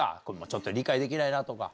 ちょっと理解できないなとか。